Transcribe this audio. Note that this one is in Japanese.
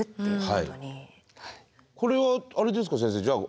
これはあれですか先生じゃあ